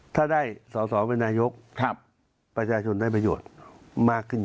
ถ้าได้สอสอเป็นนายกประชาชนได้ประโยชน์มากขึ้น